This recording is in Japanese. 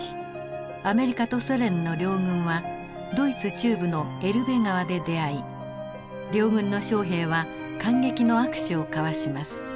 アメリカとソ連の両軍はドイツ中部のエルベ川で出会い両軍の将兵は感激の握手を交わします。